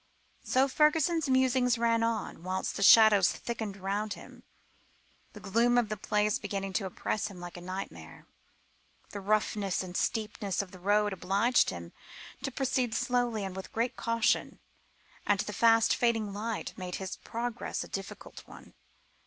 So Fergusson's musings ran on, whilst the shadows thickened round him, the gloom of the place beginning to oppress him like a nightmare. The roughness and steepness of the road obliged him to proceed slowly and with great caution, and the fast fading light made his progress a difficult one.